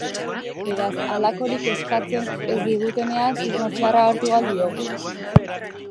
Beraz, halakorik eskatzen ez digutenean susmo txarra hartu ahal diogu.